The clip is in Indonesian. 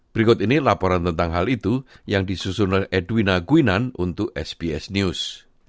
berikut ini laporan tentang hal itu yang disusun oleh edwina gwinan untuk sbs news